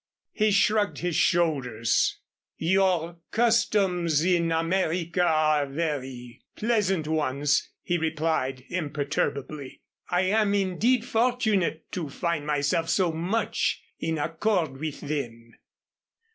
He shrugged his shoulders. "Your customs in America are very pleasant ones," he replied, imperturbably. "I am indeed fortunate to find myself so much in accord with them."